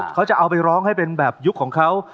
เขาจะเอาไปร้องให้เป็นแบบยุคของเขา